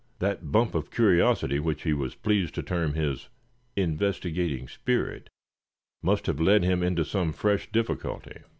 That bump of curiosity which he was pleased to term his "investigating spirit," must have led him into some fresh difficulty.